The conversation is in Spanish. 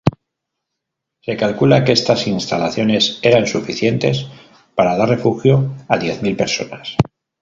Se calcula que estas instalaciones eran suficientes para dar refugio a diez mil personas.